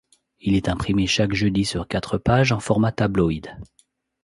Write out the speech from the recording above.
Il est imprimé chaque jeudi sur quatre pages en format tabloïd.